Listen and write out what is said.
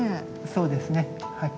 そうですねはい。